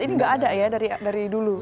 ini nggak ada ya dari dulu